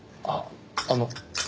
あっあの。